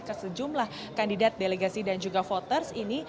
ke sejumlah kandidat delegasi dan juga voters ini